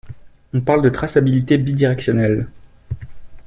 On parle de traçabilité bidirectionnelle.